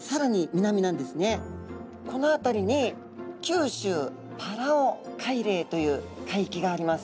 この辺りに九州パラオ海嶺という海域があります。